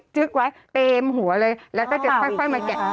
ึกไว้เต็มหัวเลยแล้วก็จะค่อยมาแกะ